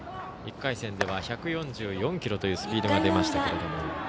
１回戦では１４４キロというスピードが出ましたが。